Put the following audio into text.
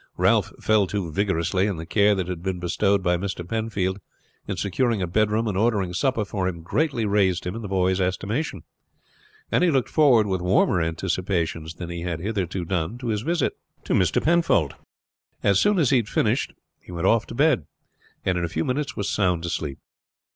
Ralph fell to vigorously, and the care that had been bestowed by Mr. Penfold in securing a bedroom and ordering supper for him greatly raised him in the boy's estimation; and he looked forward with warmer anticipations than he had hitherto done to his visit to him. As goon as he had finished he went off to bed, and in a few minutes was sound asleep.